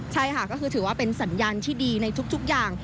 ใช่ค่ะก็คือถือว่าเป็นสัญญาณที่ดีในทุกอย่าง